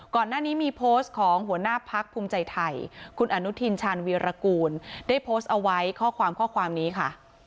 ก่อนหน้านี้มีโพสต์ของหัวหน้าพักภูมิใจไทยคุณอนุทินชาญวีรกูลได้โพสต์เอาไว้ข้อความข้อความนี้ค่ะ